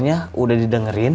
sini udah udah di dengerin